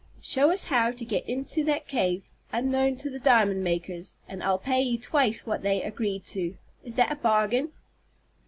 Show us how to get into that cave, unknown to the diamond makers, and I'll pay you twice what they agreed to. Is it a bargain?"